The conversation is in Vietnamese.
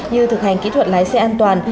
như thực hành kỹ thuật lái xe an toàn